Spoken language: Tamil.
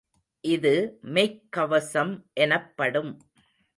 இது மெய்க் கவசம் எனப்படும்.